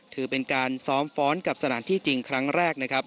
ถือเป็นการซ้อมฟ้อนกับสถานที่จริงครั้งแรกนะครับ